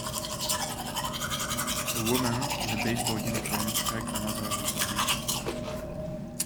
A woman in a baseball uniform tags another with her mitt.